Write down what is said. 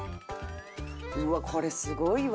うわっこれすごいわ！